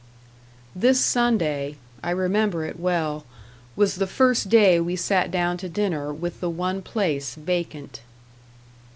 This Sunday I remember it well was the first day we sat down to dinner with the one place vacant.